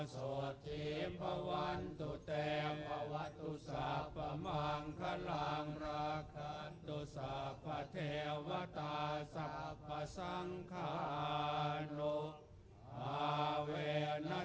สุทธิภวันตุเตภวะตุสัพพะมังคัลังรักคันตุสัพพะเทวตาสัพพะสังคานุภาเวณัสตา